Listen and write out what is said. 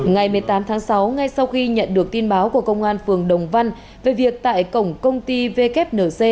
ngày một mươi tám tháng sáu ngay sau khi nhận được tin báo của công an phường đồng văn về việc tại cổng công ty wnc